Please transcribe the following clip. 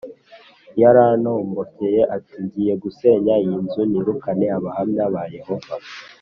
Yarantombokeye ati ngiye gusenya iyi nzu nirukane Abahamya ba Yehova